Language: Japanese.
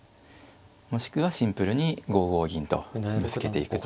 もしくはシンプルに５五銀とぶつけていくとか。